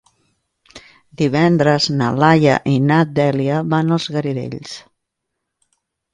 Divendres na Laia i na Dèlia van als Garidells.